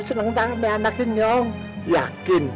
yang ada anaknya yang yakin